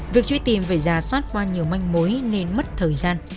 việc truy tìm về già xoát qua nhiều manh mối nên mất thời gian